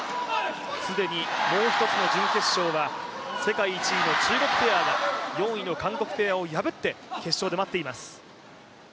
既にもう一つの準決勝は世界１位の中国ペアが４位の韓国ペアを破って決勝で待っています。